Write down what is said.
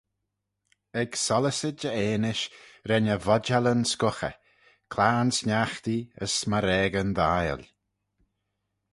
Ec sollyssid e enish ren e vodjallyn scughey: claghyn-sniaghtee, as smarageyn d'aile.